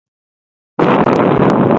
درس ویل زما خوښ دي.